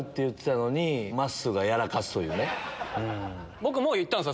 僕も言ったんですよ